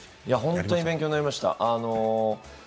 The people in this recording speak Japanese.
本当に勉強になりました。